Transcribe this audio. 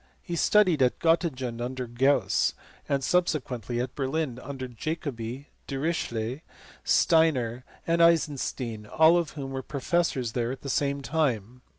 He studied at Gottingen under Gauss, and subsequently at Berlin under Jacobi, Dirichlet, Steiner, and Eisenstein, all of whom were professors there at the same time.